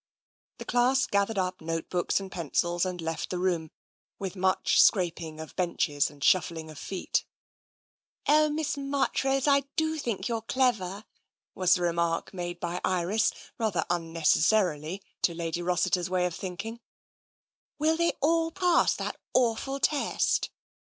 The class gathered up note books and pencils and left the room, with much scraping of benches and shuffling of feet. " Oh, Miss Marchrose, I do think you're clever," was the remark made by Iris, rather unnecessarily, to Lady Rossiter's way of thinking. " Will they all pass that awful test?